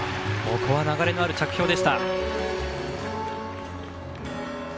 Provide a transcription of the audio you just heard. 流れのある着氷でした。